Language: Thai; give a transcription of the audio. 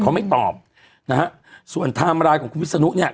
เขาไม่ตอบนะฮะส่วนทามรายของคุณวิศนุเนี้ย